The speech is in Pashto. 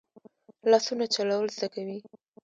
لاسونه چلول زده کوي